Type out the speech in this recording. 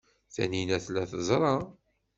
Taninna tella teẓra.